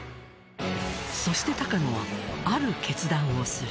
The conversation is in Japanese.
そして高野はある決断をする！